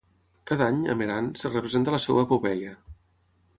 Cada any, a Meran, es representa la seva epopeia.